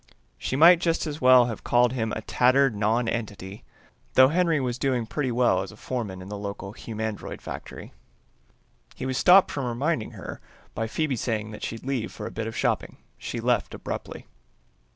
She might just as well have called him a tattered nonentity, though Henry was doing pretty well as a foreman in the local humandroid factory. He was stopped from reminding her by Phoebe's saying that she'd leave for a bit of shopping. She left abruptly.